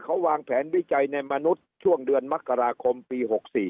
เขาวางแผนวิจัยในมนุษย์ช่วงเดือนมกราคมปี๖๔